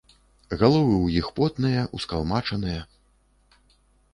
Галовы ў іх потныя, ускалмачаныя.